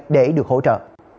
để được hỗ trợ